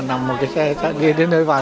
nằm một cái xe chạy đi đến nơi vào